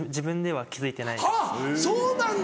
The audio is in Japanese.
はっそうなんだ。